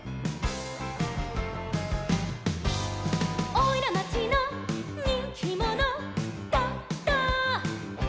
「おいらまちのにんきもの」「ドド」